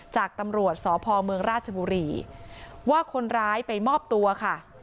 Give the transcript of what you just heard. จากตำรวจสพเมืองราชบุรีว่าคนร้ายไปมอบตัวค่ะ